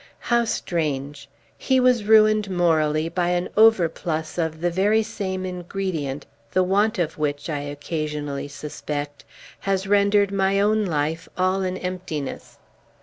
How strange! He was ruined, morally, by an overplus of the very same ingredient, the want of which, I occasionally suspect, has rendered my own life all an emptiness.